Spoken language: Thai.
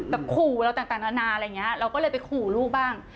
ขู่เราต่างนานาอะไรอย่างนี้เราก็เลยไปขู่ลูกบ้าง